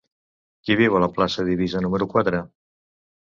Qui viu a la plaça d'Eivissa número quatre?